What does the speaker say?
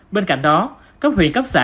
bên cạnh đó cấp huyện cấp xã